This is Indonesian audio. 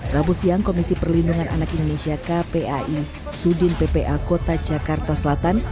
rabu siang komisi perlindungan anak indonesia kpai sudin ppa kota jakarta selatan